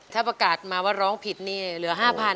ถ้าประกาศมาว่าร้องผิดนี่เหลือ๕๐๐๐